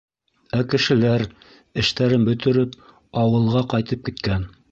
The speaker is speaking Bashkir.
Ә кешеләр, эштәрен бөтөрөп, ауылға ҡайтып киткән.